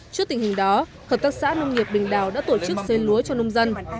trước tình hình đó hợp tác xã nông nghiệp bình đào đã tổ chức xây lúa cho nông dân